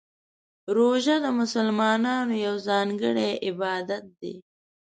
روژه د مسلمانانو یو ځانګړی عبادت دی.